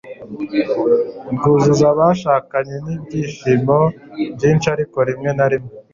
rwuzuza abashakanye n'ibyishimo byinshi ariko rimwe na rimwe